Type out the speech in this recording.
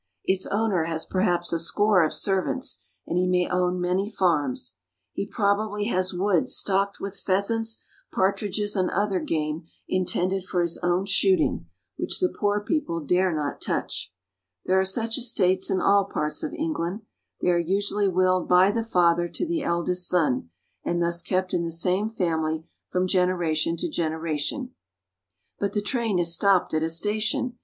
Its owner has perhaps a score of servants, and he may own many farms. He probably has woods stocked with pheasants, partridges, and other game in tended for his own shooting, which the poor people dare not touch. There are such estates in all parts of England. They are usually willed by the father to the eldest son, and thus kept in the same family from generation to generation. But the train has stopped at a station.